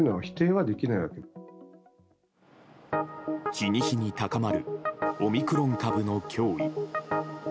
日に日に高まるオミクロン株の脅威。